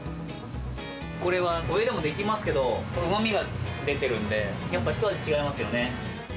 これはお湯でもできますけど、うまみが出てるんで、やっぱ一味違いますよね。